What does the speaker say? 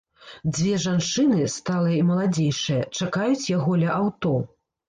Дзве жанчыны, сталая і маладзейшая, чакаюць яго ля аўто.